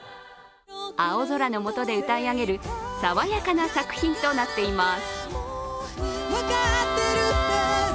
青空の下で歌い上げる爽やかな作品となっています。